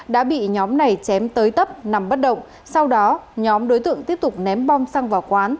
đã bị nhóm này chém tới tấp nằm bắt động sau đó nhóm đối tượng tiếp tục ném bom xăng vào quán